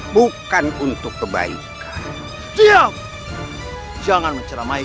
aku harus keluar dari gua ini